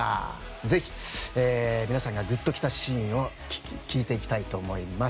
ぜひ、皆さんがぐっときたシーンを聞いていきたいと思います。